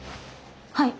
はい。